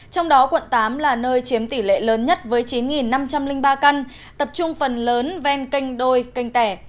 trong đó quận tám là nơi chiếm tỷ lệ lớn nhất với chín năm trăm linh ba căn tập trung phần lớn ven kênh đôi canh tẻ